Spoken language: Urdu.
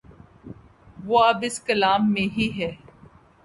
وہ اب اس کلام میں ہی ہے۔